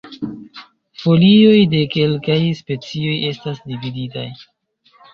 Folioj de kelkaj specioj estas dividitaj.